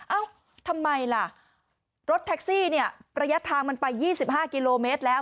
เอ้าทำไมล่ะรถแท็กซี่เนี่ยระยะทางมันไป๒๕กิโลเมตรแล้ว